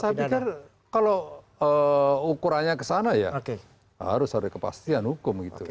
saya pikir kalau ukurannya ke sana ya harus ada kepastian hukum gitu